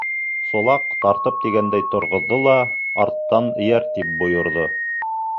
Сулаҡ тартып тигәндәй торғоҙҙо ла, арттан эйәр, тип бойорҙо.